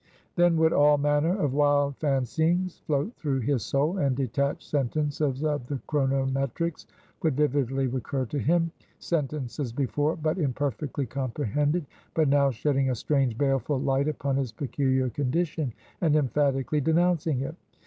Then would all manner of wild fancyings float through his soul, and detached sentences of the "Chronometrics" would vividly recur to him sentences before but imperfectly comprehended, but now shedding a strange, baleful light upon his peculiar condition, and emphatically denouncing it.